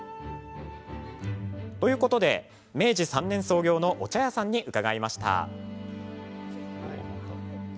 ということで明治３年創業のお茶屋さんに伺いました。